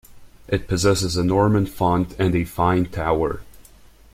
It possesses a Norman font and a fine tower.